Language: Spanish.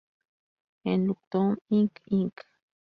En "Lockdown", Ink Inc.